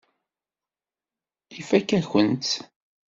Ifakk-akent-tt.